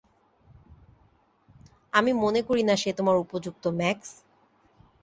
আমি মনে করি না সে তোমার উপযুক্ত, ম্যাক্স।